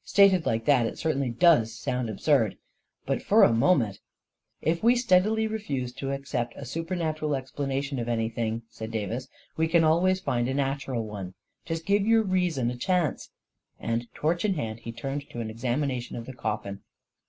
" Stated like that, it certainly does sound absurd. But for a moment •.."" If we steadily refuse to accept a supernatural ex planation of anything/ 9 said Davis, " we can always find a natural one. Just give your reason a chance !" And, torch in hand, he turned to an ex amination of the coffin.